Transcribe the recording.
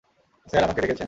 Sir, আমাকে ডেকেছেন।